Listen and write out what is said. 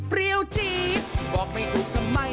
เรียวจี๊ดบอกไม่ถูกทำไม